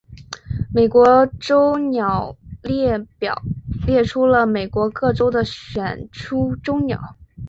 美国州鸟列表列出了美国各州的选出州鸟。